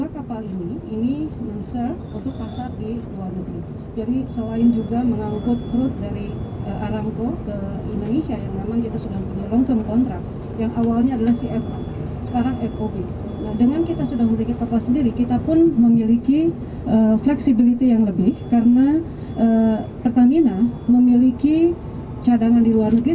kota pun memiliki fleksibilitas yang lebih karena pertamina memiliki cadangan di luar negeri